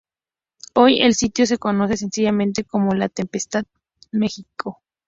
Hoy el sitio se conoce, sencillamente, como LaTempestad.mx.